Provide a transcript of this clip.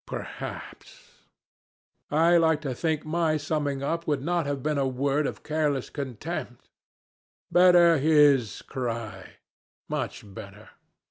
Perhaps! I like to think my summing up would not have been a word of careless contempt. Better his cry much better.